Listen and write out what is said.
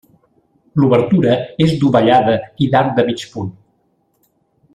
L'obertura és dovellada i d'arc de mig punt.